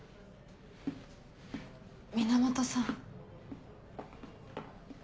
源さん。